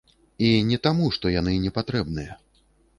І не таму, што яны не патрэбныя.